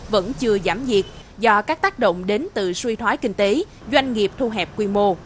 vẫn chưa giảm nhiệt do các tác động đến từ suy thoái kinh tế doanh nghiệp thu hẹp quy mô